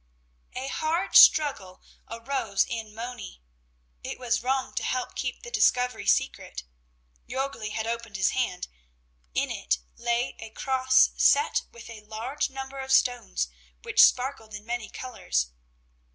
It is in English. A hard struggle arose in Moni. It was wrong to help keep the discovery secret. Jörgli had opened his hand. In it lay a cross set with a large number of stones, which sparkled in many colors.